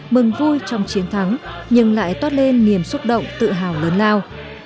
mừng vui trong chiến thắng nhưng lại toát lên niềm xúc động tự hào lớn lao